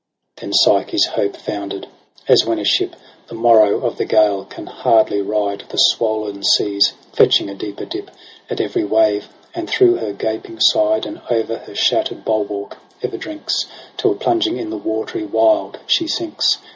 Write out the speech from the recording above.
16 Then Psyche's hope founder'd j as when a ship, The morrow of the gale can hardly ride The swollen seas, fetching a deeper dip At every wave, and through her gaping side And o'er her shattered bulwark ever drinks. Till plunging in the watery wild she sinks.